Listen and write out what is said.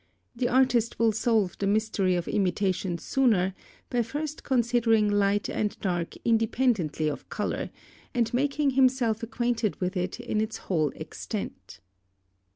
The artist will solve the mystery of imitation sooner by first considering light and dark independently of colour, and making himself acquainted with it in its whole extent.